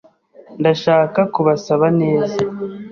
Ndashaka kubasaba neza.